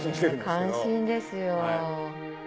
感心ですよ。